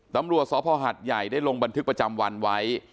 ตำรวจสภหัดใหญ่ได้ลงบันทึกประจำวันไว้